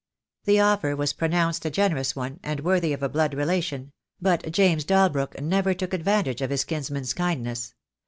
The offer was pronounced a generous one, and worthy of a blood relation; but James Dalbrook never took ad vantage of his kinsman's kindness.